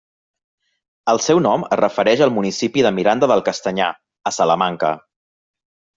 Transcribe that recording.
El seu nom es refereix al municipi de Miranda del Castanyar, a Salamanca.